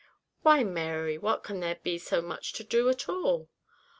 "Why, Mary, what can there be so much to do at all?"